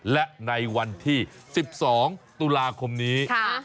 และในวันที่๑๒ตุลาคมนี้